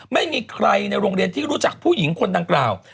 ไม่มีใครในโรงเรียนที่รู้จักผู้หญิงคนดังกล่าว